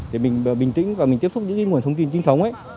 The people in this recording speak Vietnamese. để mình bình tĩnh và mình tiếp xúc những nguồn thông tin trinh thống